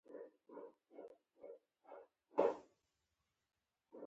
ما د درد څړیکې په خپل زړه کې احساس کړي